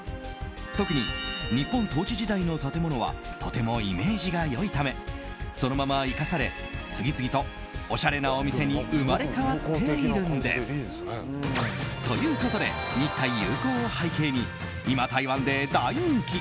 特に日本統治時代の建物はとてもイメージが良いためそのまま生かされ次々とおしゃれなお店に生まれ変わっているんです。ということで、日台友好を背景に今、台湾で大人気！